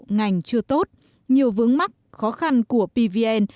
các bộ ngành chưa tốt nhiều vướng mắc khó khăn của pvn